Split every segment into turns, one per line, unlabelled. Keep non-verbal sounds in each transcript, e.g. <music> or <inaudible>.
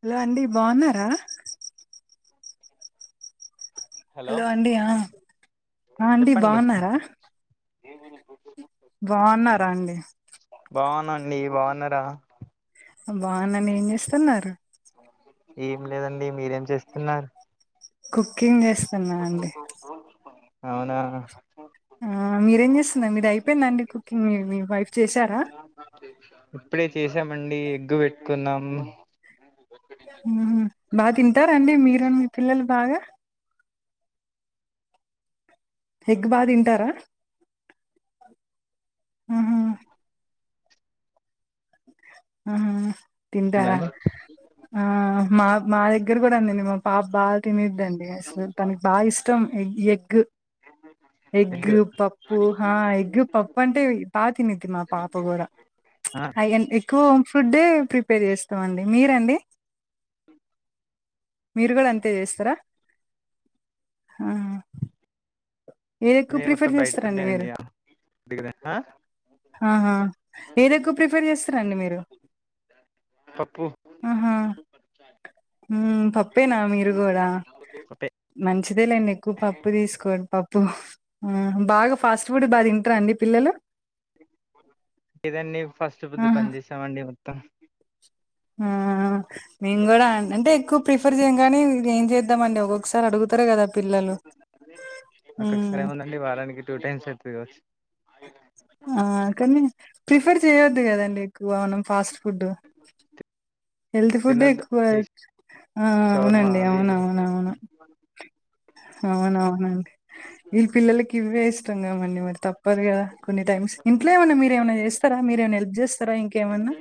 Hello అండి బావున్నారా? Hello అండి ఆ అండి బావున్నారా?
ఏమని గుర్తుందా?
బావున్నారా అండి?
బావున్నా అండి బావున్నారా?
బావున్నాను ఏం చేస్తున్నారు?
ఏం లేదండి మీరేం చేస్తున్నారు?
కుకింగ్ చేస్తున్నా అండి.
అవునా
ఆ మీరేం చేస్తుందం మీరు అయిపోయిందండి కుకింగ్ మీ వైఫ్ చేశారా?
ఇప్పుడే చేసామండి ఎగ్గు పెట్టుకున్నాం
ఉహు బా తింటారండి మీరు, మీ పిల్లలు బాగా? ఎగ్ బా తింటారా ఆహా ఆ ఆ తింటార
దండి
ఆ మా మా దగ్గర కూడా అందండి మా పాప బా తిని దండి అసలు తనకి బాగా ఇష్టం ఎ ఎగ్
ఎగ్
ఎగ్గు పప్పు ఆ ఎగ్గు పప్పు అంటే బా తినిద్ది మా పాప కూడా
ఆ
ఎక్కువ హోమ్ ఫుడ్డే ప్రిపేర్ చేస్తామండి మీరండి మీరు గూడ అంతే చేస్తరా ఆ ఏది ఎక్కువ
మేము మొత్తం
ప్రిఫర్
బయట
చేస్తరండి
ఫుడ్డే
మీరు
అండి ఆ
ఆహా ఏది ఎక్కువ ప్రిఫర్ చేస్తారండి మీరు
పప్పు
ఆహా ఆ పప్పేనా మీరుగోడా
పప్పే
మంచిదే లేండి ఎక్కువ పప్పు తీసుకోం పప్ ప్పు బాగ ఫాస్ట్ ఫుడ్ బాగ తింటరా అండి పిల్లలు
ఇదండి ఫస్ట్ పద్దు
ఆహా
పని చేసామండి మొత్తం
ఆ మేము గూడా అంటే ఎక్కువ ప్రిఫర్ జేయం కానీ ఏం జేద్దామండి ఒక్కొక్కసారి అడుగుతరు కదా పిల్లలు.
అక్కొక్కసారి
మ్మ్
ఏముందండి వారానికి టూ టైమ్స్ అయితది కావచ్
ఆ కనీ ప్రిఫర్ చేయొద్దు కదండి ఎక్కువ మనం ఫాస్ట్ ఫుడ్డు హెల్త్ ఫుడ్
తినొద్దు
ఎక్కువ
ఈ
ఆ ఆ
షవర్మా
అవునండి
అవి
అవున
ఇవి
అవునవును. అవునవునండి వీళ్ళ పిల్లలకి ఇవే ఇష్టం కావండి మ తప్పదు కదా కొన్ని టైమ్స్ ఇంట్లో ఏమన్నా మీరేమన్నా చేస్తరా మీరేమన్నా హెల్ప్ జేస్తరా ఇంకేమన్నా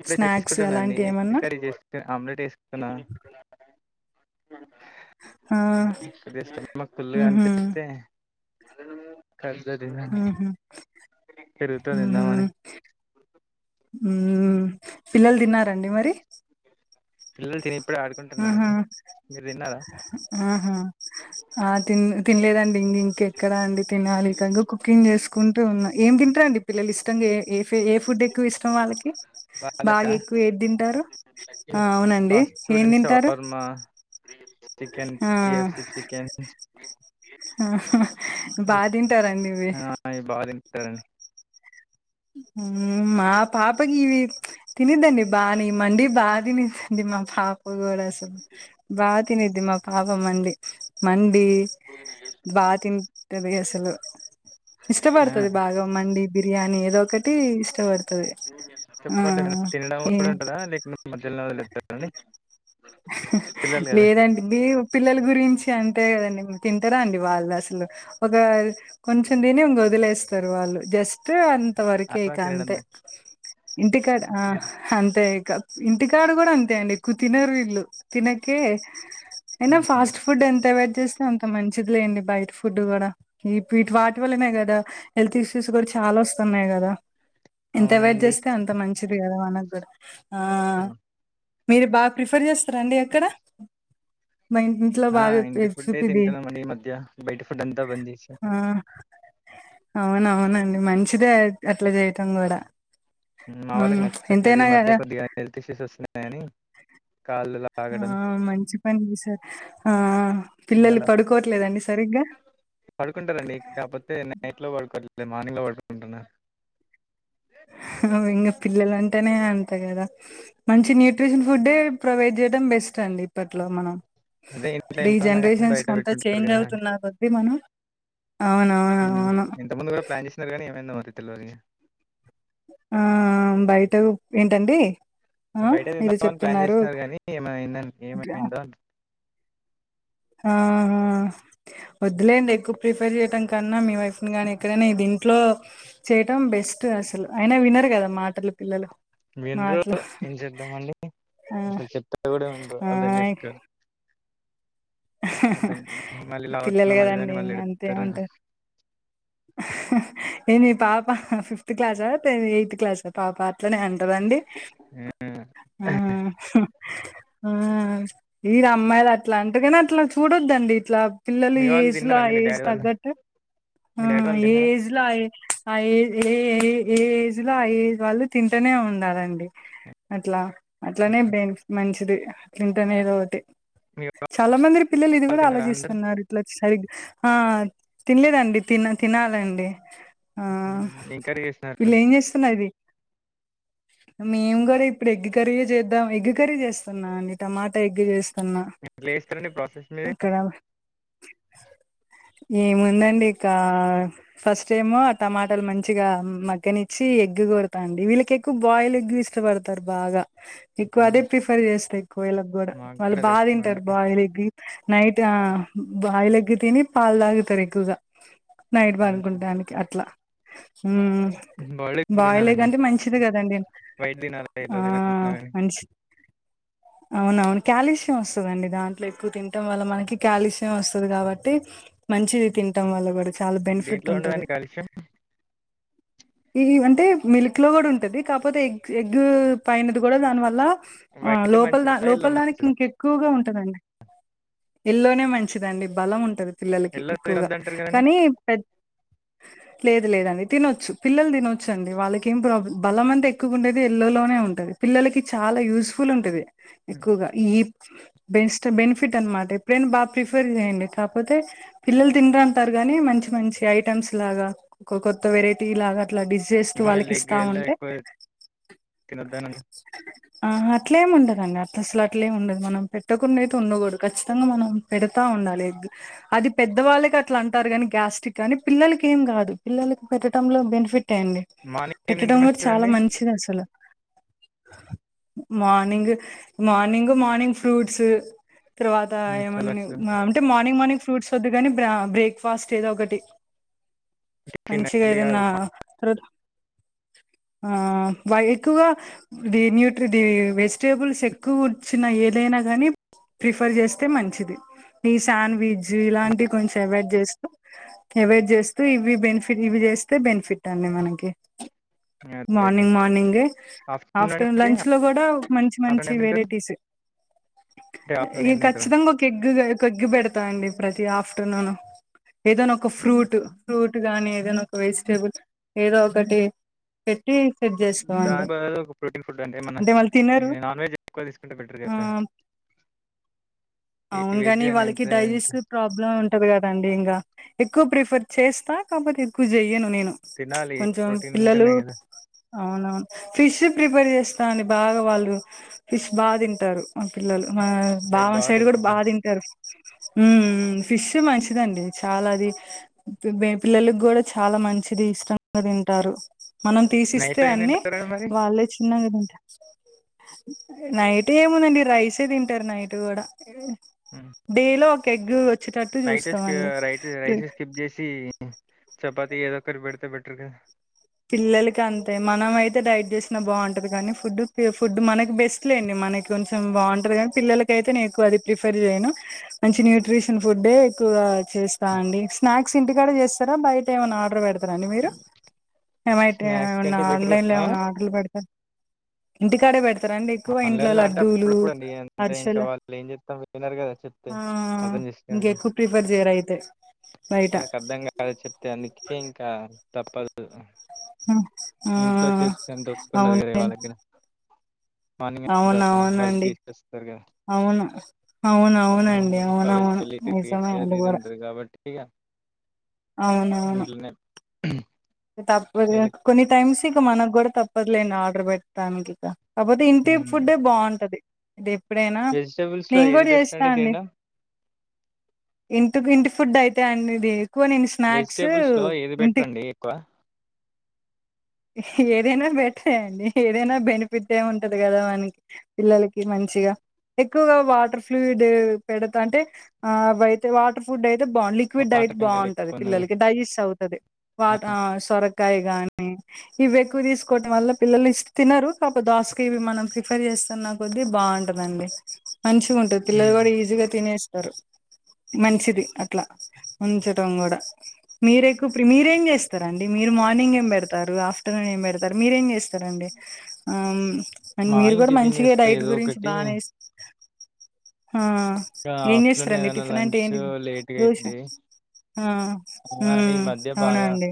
ఇప్పుడే
స్నాక్స్
చేసుకుంటనండి
అలాంటి
ఎగ్
ఏమన్నా
కర్రీ చేసుకు ఆమ్లెట్ ఏసుకుంటన్నా
ఆ
జస్ట్ మాకు ఫుల్లుగా
ఉహు
అనిపిత్తే <unintelligible>
ఉహు
పెరుగుతో తిందామని
ఉ పిల్లలు తిన్నార అండి మరి
పిల్లలు తిని ఇప్పుడే
ఆహా
ఆడుకుంటున్నారండి మీరు తిన్నారా
ఆహా ఆ తిన్ తిన్లేదన్ ఇంకెక్కడ అండి తినాలి ఇక కుకింగ్ చేసుకుంటూ ఉన్న ఏం తింటరండి పిల్లలు ఇష్టంగా ఎ ఏ ఏ ఫుడ్ ఎక్కువ ఇష్టం వాళ్ళకి బాగ
వాళ్ళకా
ఎక్కువ ఏద్దింటారు అవునన్
సవర్మా చికెన్
ఆ
కేఎఫ్సి చికెన్
బా తింటారండి ఇవి
ఆ! ఇవి బాగా తింటారండి
ఊ మా పాపగివి తినిద్దండి బాని ఈ మండి బా తినిద్ది మా పాప గూడ స బా తినిద్ది మా పాప మండి మండీ బా తింటది అసలు
ఆ!
ఇష్టపడతది బాగా మండి బిర్యాని ఏదో ఒకటి ఇష్టపడుతది ఆ
తినడం కూడా
ఏ
ఉంటదా లేక మధ్యలో వలేస్తారం
లేదండి మీ పిల్లల గురించి అంతే కదండి తింటారా అండి వాళ్ళు అసలు ఒక కొంచెం తిని వదిలేస్తారు వాళ్ళు జస్ట్ అంత వరకే
అలా
ఇక
తినడం
అంతే ఇంటికాడ
తక్కువ.
అంతే ఇంటికాడ కూడా అంతే అండి ఎక్కువ తినరు వీళ్ళు తినకే అయినా
హ్మ్.
ఫాస్ట్ ఫుడ్ ఎంత వెజ్ స్తే అంత మంచిది లేండి బయట ఫుడ్ కూడా వాటి వల్లనే కదా హెల్త్ ఇష్యూస్ చాలా వస్తున్నాయి కదా ఎంత వెయిట్
అవునండి
చేస్తే అంత మంచిది గదా మనకు గుడా ఆ
<inaudible>
మీరు బాగ ప్రిఫర్ చేస్తారా అండి ఎక్కడ మా ఇంట్లో
ఆ
బాగా
ఇంటి ఫుడ్డే
తెచ్చుతుది
తింటున్నామండి ఈ మధ్య బయట ఫుడ్ అంతా బంద్ చేసాం
ఆ అవునవునండి మంచిదే అట్ల జేయటం కూడ
మా వాళ్ళకి నచ్చట్లేదు ఈ మధ్య
కదా
కొద్దిగా హెల్త్ ఇష్యూస్ వస్తున్నాయని కాళ్ళు
ఆ
లాగడం
మంచి పని చేసారు ఆ
ఇగ అలా
పిల్లలు పడుకోట్లేద
పడుకుంటారండి కాకపోతే నైట్లో పడుకో నేన్ మార్నింగ్ లో వడుకుంటన్నా
హా పిల్లల అంటేనే అంతే కదా మంచి న్యూట్రిషన్ ఫుడ్డే ప్రొవైడ్ చేడ్డం బెస్ట్ అండి ఇప్పట్లో మనం
అదే ఇంట్లో
ఇప్పుడు ఈ
ఎంత ఉన్నా గాని
జనరేషన్స్
బయట
కఅంతా
పెట్టుంటారు
చేంజ్
కదా!
అవుతున్నా కొద్ది మనం అవునవునవును
ఇంత ముందు కూడా ప్లాన్ చేసినారు కానీ ఏమైందో మకు తెల్వదు
ఆ బయట ఉప్ ఏంటండి. ఆ
బయట
ఏదో
తిందామని ప్లాన్
చెప్తున్నారు
జేసినారు గానీ ఏమైందని ఏమైందో
ఆ ఆ వద్దులేండి ఎక్కువ ప్రిఫేర్ చేయడం కన్నా మీ వైఫ్ ని కానీ ఎక్కడైనా ఇది ఇంట్లో చేయటం బెస్ అసలు అయినా వినరు కదా మాటలు పిల్లలు
విన్రు
మాటలు
ఏం చేద్దామ అండి
ఆ
అసలు చెప్పడు కూడా ఉండవు అర్థం
ఆ
చేసుకోరు అ మళ్ళీలా
పిల్లలు
వతన్నాం అని మళ్ళీ ఎడుత్తరు
నేనీ పాప ఫిఫ్త్ క్లాస ఎయిత్ క్లాస పాప అట్లనే అం రండి
ఆ!
ఉ ఆ ఈర అమ్మాయిలు అట్ల అంటగానే అట్ల చూడొద్దండి ఇట్లా పిల్లలు
మీ
ఈ
వాళ్ళు
ఏజ్ లో
తిన్నారా
ఆ
అండి? మీ
ఏజ్
డాడీ వాళ్ళు?
తగ్గట్టు
మీ
ఆ
డాడీ వాళ్ళు తిన్నారా?
ఏజ్లా ఏ ఆ ఏ ఏ ఏ ఏజ్ లో ఆ ఏజ్ వాళ్ళు తింటనే ఉండాలండి అట్లా అట్లానే
ఓకే.
బె మంచిది అట్లంటనే ఏదో ఒకటి
మీ వాళ్ళు
చాలా మంది పిల్లలు ఇది కూడా
తిన్నారా అందరూ?
అలోచిస్తున్నారు ఇట్లా సరిగ్ ఆ తిన్లేదండి తిన తినాలండి ఆ
హ్మ్. ఏం కర్రీ జేసినారు?
పిల్ల ఏం చేస్తున్నది మేము కూడా ఇప్పుడు ఎగ్ కర్రీయే జేద్దాం ఎగ్ కర్రీ చేస్తున్నాం అండి టమాటా ఎగ్గు చేస్ న్న
ఎట్లా జేస్తారండి ప్రాసెస్ మీది?
ఇక్కడ ఏముందండి ఇకా ఫస్ట్ టైము ఆ టమాటాలు మంచిగా మగ్గనిచ్చి ఎగ్గు తాంది వీళ్ళకి ఎక్కువ బాయిల్ ఎగ్ ఇష్టపడతారు బాగ ఎక్కువ
హ్మ్.
అదే ప్రిఫర్ చేస్తయ్ కోయలకు కూడ
మాకు
వాళ్ళు
గూడా అదే
బాగ తింటరు
ఇష్టమండి.
బాయిల్ ఎగ్ నైట్ ఆ బాయిల్ ఎగ్ తిని పాల్ దాగుతారు ఎక్కువగా నైట్
హ్మ్.
బనుకుంటాడానికి అట్లా ఉమ్
బాయిల్డ్
బాయిల్ ఎగ్
తినాలండి.
అంటే మం మంచిది కద అండి
వైట్ తినాలి
ఆ
యెల్లో తినకున్నా గాని.
మంషి అవునవును క్యాలిషియం వస్తదండి దాంట్లో ఎక్కువ తింటం వల్ల మనకి క్యాల్షియం వస్తది కాబట్టి మంచిది తింటం వల్ల కూడా చాలా బెనిఫిట్
దేంట్లో
ఉంటది
ఉండదండి కాలుష్యం?
ఈ అంటే మిల్క్ ఇట్లో కూడా ఉంటది కాకపోతే ఎగ్ ఎగ్ పైనది కూడా దానివల్ల ఆ
వైట్
లోపల దా
మంచిదా? యెల్లో
లోపల దానికి
మంచిదా?
ఇంకెక్కువగా ఉం ఉంటదండి ఎల్లోనే మంచిదండి బలం ఉంటది పిల్లలకి
యెల్లో
ఎక్కువగా
తినొద్దంటారు కదండీ!
కానీ లేదు లేదండి తినొచ్చు పిల్లలు తినొచ్చండి వాళ్ళకి ఏం ప్రాబ్ల బలం అంత ఎక్కువ ఉండేది ఎల్లోలోనే ఉంటది పిల్లలకి చాలా యూజ్ఫుల్ ఉంటది ఎక్కువగా ఈ బెస్ట్ బెనిఫిట్ అనమాట ఎప్పుడైనా బాగా ప్రిఫర్ చేయండి కాకపోతే పిల్లలు తినరంతారు గానీ మంచి మంచి ఐటమ్స్ లాగా ఒక కొత్త వెరైటీలాగా అట్లా డిస్ చేస్తూ
ఏమో
వాళ్ళకి
యెల్లో ఎగ్
తా
యెల్లో
ఉంటే
ఎక్కువ తినొద్దనరు.
అహ అట్లేం ఉండదండి అట్ల అసలు అట్లేం ఉండదు మనం పెట్టకుండా అయితే ఉండకూడు ఖచ్చితంగా మనం పెడతా ఉండాలి ఎగ్ అది పెద్దవాళ్ళకి అట్లా అంటారు కాని గ్యాస్టిరిక్ కాని పిల్లలకి ఏం కాదు పిల్లలకు పెట్టడంలో బెనిఫిట్ టెండి
మార్నింగ్ ఏం
పెట్టడం
తింటే
కూడా చాలా
మంచిదండి?
మంచిది అసలు మార్నింగ్ మార్నింగ మార్నింగ్ ఫ్రూట్స్ తర్వాత
హ్మ్. చల్లొచ్చు.
ఏమన్నా అంటే మార్నింగ్ మార్నింగ్ ఫ్రూట్స్ వద్దు కాని బ్రా బ్రేక్ఫాస్ట్ ఏదో ఒకటి
టిఫిన్
మంచిగా
ఇడ్లీ ఆర్
ఏదన్నా
ఉప్మా
తర్వాత ఆ వా ఎక్కువగా ది న్యూట ది వెజిటేబుల్స్ ఎక్కువ వచ్చిన ఏ అయినా గాని ప్రిఫర్ చేస్తే మంచిది డి శండ్విజ్ జి ఇలాంటి కొంచెం ఎవడ్ చేస్తూ ఎవడ్ చేస్తూ ఇవి బెనిఫిట్ ఇవి చేస్తే బెనిఫిట్ అనే
అదే అదే.
మార్నింగ్ మార్నింగ్
ఆఫ్టర్‌నూన్ అండి
ఆఫ్టర్నూన్
మరి?
లంచ్ లో కూడా మంచి
ఆఫ్టర్‌నూన్
మంచి
ఏం తింటారు?
వెరైటీస్
అంటే ఆఫ్టర్‌నూన్
ఈ
ఏం తింటారు?
ఖచ్చితంగా ఒక ఎగ్గుగా ఒక ఎగ్గు పెడతాండి ప్రతి ఆఫ్ అంటున్నాను ఏదనా ఒక ఫ్రూట్, ఫ్రూట్ గాని ఏదైనా ఒక వెజిటేబుల్ ఏదో ఒక కటి పె టి సెట్ చేసుకోవండి
దాని బదులు ఒక ప్రోటీన్ ఫుడ్ ఏమన్నా
అంటే వాల్ తినరు
నాన్ వెజ్ ఎక్కువ తీసుకుంటే బెటర్
ఆ
కదా! ఈ
అవును
వెజ్
గాని
అని
వాళ్ళకి
ఎంత ఎంత
డైజెస్ట్ ప్రాబ్లమ్ ఉంటది కదండి ఇంగా ఎక్కువ ప్రిఫర్ చేస్తా కాపోతే ఎక్కువ చెయను నేను
తినాలి
కొంచెం
ప్రోటీన్
పిల్లలు
ఉంటేనే కదా!
అవునవును ఫిష్ ప్రిపేర్ చేస్తాని బాగా వాళ్ళు ఫిష్ బాగా తింటారు. మా పిల్లలు మా
ఇటు
బావ
బాగా
సైడ్ కూడా
దొరుకుద్ది.
బాగా తింటారు. ఉఉ ఫిష్ మంచిదండి చాలా అది పిల్లలకి కూడా చాలా మంచిది ఇష్టంగా తింటారు మనం
నైట్
తీసిస్తే
టైమ్ ఏం
అన్ని
తింటారండి మరి?
వాళ్ళే చిన్నగా తి నైట్ ఏముందండి రైసే తింటారు నైట్ కూడా
హ్మ్.
డేలో ఒక ఎగ్గు
నైట్ స్కి రై రైస్ స్కిప్ చేసి చపాతి ది ఏదోక్కటి పెడితే బెట్ర్గా
పిల్లలకి అంతే మనం అయితే డైట్ చేసినా బావుంటది కానీ ఫుడ్ ఫుడ్ మనకి బెస్ట్ లేండి. మన కొంచెం బావుంటది కానీ పిల్లలకయితే న ఎక్కువది ప్రిఫర్ చేయను మంచి న్యూట్ర్రిషన్ ఫుడ్ ఎక్కువ చేస్తా అండి స్నాక్స్ ఇంటికాడ చేస్తారా బయట ఏమన్నా ఆర్డర్ పెడ తార అండి మీరు ఎమ
స్నాక్స్ కంటే బెటర్
ఆన్లైన్ ల
ఆ
ఏమన్నా ఆర్డర్ పెడ్తా ఇంటికాడే పెడ్ తారండి ఎక్కువ ఇంట్లో
ఆన్లైన్ లో అంటే
లడ్డూలు,
అప్పుడప్పుడు అండి అంతే ఇంకా
అరిసలు
వాళ్ళు ఏం చెప్తాం వినరు కదా చెప్తే
ఆ
అర్థం
ఇంకెక్కువ ప్రిఫెర్ చెయ్యరయితే
వాళ్ళకు అర్ధం కాద్ చెప్తే అందుకే ఇంకా తప్పదు.
ఆ
ఇంట్లో చేసెంత
అవును
ఓపికఉండదు వాళ్ళ గ్గర మార్నింగ్
అవును అవునండి
హర్గిస్తరుగా
అవును అవునవునండి
కాలేజీకి
అవునవును
వెళ్ళి
నిజమే
తిరిగేసి
అది
ఇది
కూడా
ఉంటది కాబట్టి ఇగ
అవునవును
హు
తప్పద్గా కొన్ని టైమ్స్ ఇక మనకు కూడా తప్పదులేండి ఆర్డర్ పెట్టడానికి ఇక కాకపోతే ఇంటి ఫుడ్డే బావుంటది. ఇది ఎప్పుడైనా
వెజిటేబుల్స్ లో
నేను
ఏది
కూడా
బెస్ట్
చేస్తా అండి
తినడం
ఇంటికి ఇంటి ఫుడ్ అయితే అండి ఇది ఎక్కువ నేను స్నాక్స్
వెజిటేబుల్స్ లో ఏది
ఇంటి
బెటర్ అండి ఎక్కువ
ఏదైనా బెటరేండి ఏదైనా బెనిఫిటే ఉంటది కదా మన్కి పిల్లలకి మంచిగా ఎక్కువగా వాటర్ ఫ్లూయిడ్ పెడత అంటే అవయితే వాటర్ ఫుడ్ ఐ టే బా లిక్విడ్ డైట్
వాటర్ కంటెంట్
బాగుంటది
ఎక్కువ ఉన్నది
పిల్లలకి డైజెస్ట్ అవుతది వా ఆ సొరకాయ గాని ఇవి ఎక్కువ తీసుకోవటం వల్ల పిల్లలు స్ తినరు కాకపోతే దాస్కాయ్ ఇవి మనం ప్రిఫర్ చేస్తున్నా కొద్దీ బాగుంటందండి మంచిగుంటంది పిల్లలు
హ్మ్.
గుడా ఈజీగా తినేస్ తరు మంచిది అట్లా ఉంచటం కూడా మీరెక్కువ ప్రె మీరేం జెస్ స్తారండి మీరు మార్నింగ్ ఏం పెడతారు ఆఫ్టర్నూన్ ఏం పెడతారు మీరేం చేస్తారండి ఆం అన్ మీరు
మార్నింగ్
కూడా
టిఫిన్
మంచిగా
చేస్తా
డైట్
ఏదో
గురించి
ఒకటి.
బాగానేస్ ఆ
ఇగ
ఏం
ఆఫ్టర్నూన్
చేస్తారండి
ఏదైనా
టిఫిన్ అంటే
లంచ్
ఏంటిది
లేట్‌గా అయిద్ది.
ఆ ఉమ్ అవునా అండి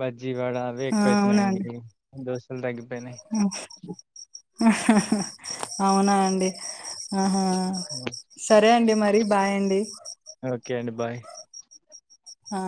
బజ్జీవడ అవె ఎక్కువవుతున్నాయండి దోశలు తగ్గి
అవునా అండి ఆహా
హ్మ్.
సరే అండి మరి బాయ్ అండి
ఓకే అండి. బాయ్
ఆ